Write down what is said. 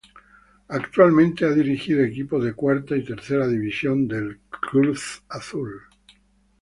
Actualmente ha dirigido equipos de Cuarta y Tercera división del Cruz Azul.